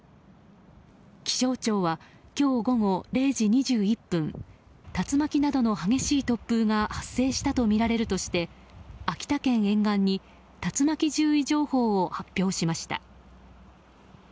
気象庁は、今日午後０時２１分竜巻などの激しい突風が発生したとみられるとして秋田県沿岸に竜巻注意情報を発表しました。